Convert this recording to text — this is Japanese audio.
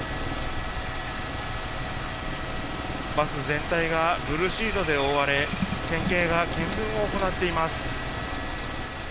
バス全体がブルーシートで覆われ県警が見分を行っています。